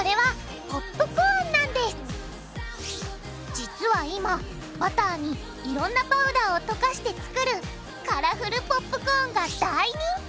実は今バターにいろんなパウダーをとかして作るカラフルポップコーンが大人気！